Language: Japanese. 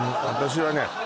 私はね